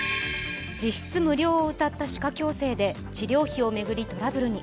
実質無料をうたった歯科矯正で治療費を巡りトラブルに。